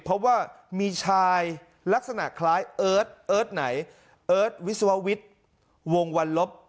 เพราะว่ามีชายลักษณะคล้ายเอิร์ทเอิร์ทไหนเอิร์ทวิศววิทย์วงวันลบ